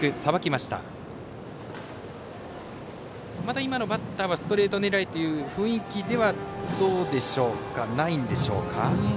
また今のバッターはストレート狙いという雰囲気はないんでしょうか。